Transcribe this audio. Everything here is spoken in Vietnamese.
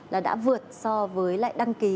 là đã vượt so với lại đăng ký